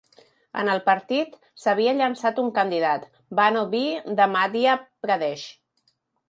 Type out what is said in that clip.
En el partit s'havia llançat un candidat, Bano Bee de Madhya Pradesh.